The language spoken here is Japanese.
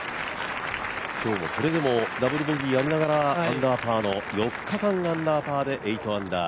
それでもダブルボギーありながらのアンダーパーの４日間、アンダーパーで８アンダー。